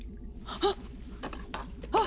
あっ！